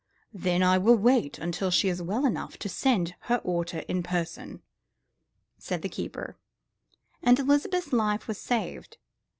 "Then I will wait until she is well enough to send her order in person," said the keeper, and Elizabeth's life was saved.